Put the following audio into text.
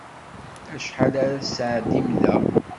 Acḥal ara tesɛeddim da?